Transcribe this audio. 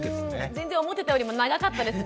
全然思ってたよりも長かったですね。